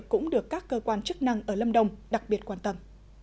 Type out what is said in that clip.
cũng được các cơ quan chức năng ở lâm đồng đặc biệt quan tâm